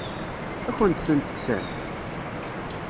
Ad akent-tent-kksen?